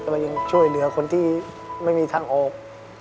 มันยังช่วยเหลือคนที่ไม่มีทางออก